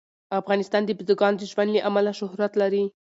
افغانستان د بزګانو د ژوند له امله شهرت لري.